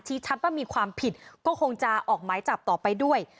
ชัดว่ามีความผิดก็คงจะออกหมายจับต่อไปด้วย